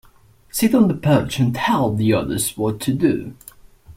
Sit on the perch and tell the others what to do.